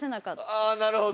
ああなるほど。